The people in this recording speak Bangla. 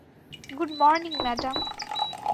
Good morning, madam!